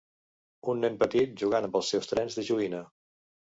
Un nen petit jugant amb els seus trens de joguina